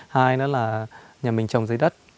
hai nữa là nhà mình trồng dưới đất